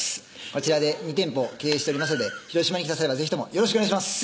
こちらで２店舗経営しておりますので広島に来た際は是非ともよろしくお願いします